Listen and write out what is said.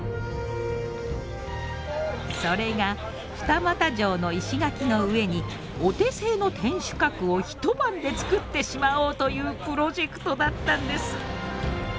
それが二俣城の石垣の上にお手製の天守閣を一晩で作ってしまおうというプロジェクトだったんです。